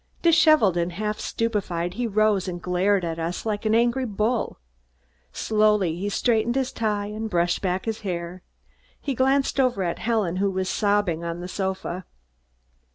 Disheveled and half stupefied, he rose and glared at us like an angry bull. Slowly he straightened his tie and brushed back his hair. He glanced over at Helen, who was sobbing on the sofa.